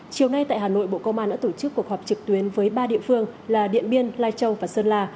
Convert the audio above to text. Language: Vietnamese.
chiều nay tại hà nội bộ công an đã tổ chức cuộc họp trực tuyến với ba địa phương là điện biên lai châu và sơn la